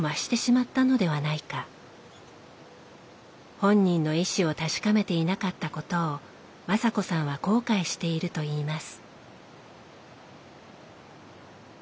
本人の意思を確かめていなかったことを雅子さんは後悔しているといいます。